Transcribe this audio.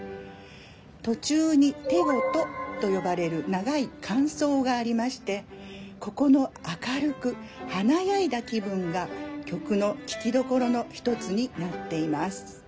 途中に手事と呼ばれる長い間奏がありましてここの明るく華やいだ気分が曲の聴きどころの一つになっています。